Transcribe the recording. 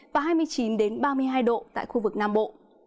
và hai mươi chín ba mươi hai độ tại khu vực nam bộ